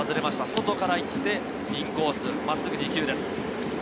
外から行ってインコース、真っすぐ２球です。